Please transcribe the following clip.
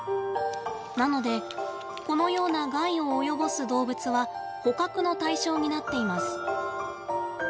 なので、このような害を及ぼす動物は捕獲の対象になっています。